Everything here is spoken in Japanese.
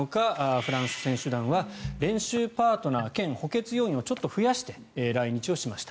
フランス選手団は練習パートナー兼補欠要員をちょっと増やして来日をしました。